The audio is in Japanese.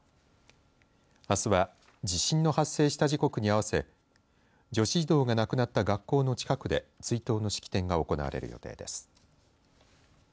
あすは地震の発生した時刻に合わせ女子児童が亡くなった学校の近くで追悼の式典が行われる予定です。